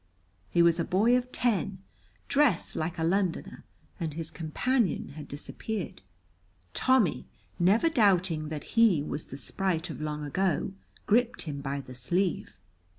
He was a boy of ten, dressed like a Londoner, and his companion had disappeared. Tommy never doubting but that he was the sprite of long ago, gripped him by the sleeve.